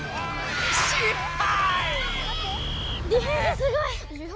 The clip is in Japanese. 失敗！